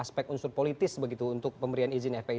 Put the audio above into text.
aspek unsur politis begitu untuk pemberian izin fpi